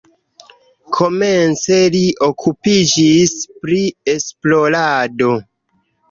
Komence li okupiĝis pri esplorado.